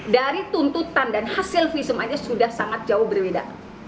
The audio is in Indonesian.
dari tuntutan dan hasil visum aja sudah sangat jauh berbeda